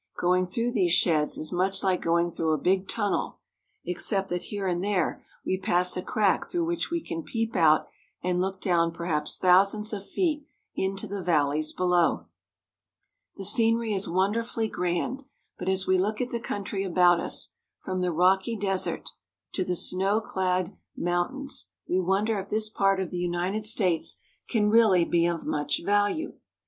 Going through these sheds is much like going through a big tun nel, except that, here and there, we pass a crack through which we can peep out and look down perhaps thousands of feet into the valleys below. The scenery is wonderfully grand ; but as we look at the country about us, from the rocky desert to the snow clad Mountains in Utah. 253 THE ROCKY MOUNTAIN REGION. mountains, we wonder if this part of the United States can really be of much value.